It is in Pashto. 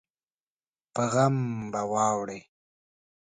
په غم به واوړې